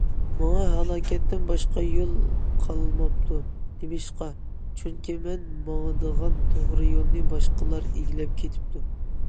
ماڭا ھالاكەتتىن باشقا يول قالماپتۇ.— نېمىشقا؟— چۈنكى مەن ماڭىدىغان توغرا يولنى باشقىلار ئىگىلەپ كېتىپتۇ.